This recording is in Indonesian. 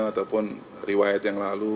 ataupun riwayat yang lalu